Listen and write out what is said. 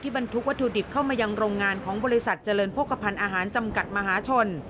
บรรทุกวัตถุดิบเข้ามายังโรงงานของบริษัทเจริญโภคภัณฑ์อาหารจำกัดมหาชน